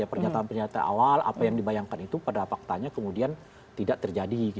pernyataan pernyataan awal apa yang dibayangkan itu pada faktanya kemudian tidak terjadi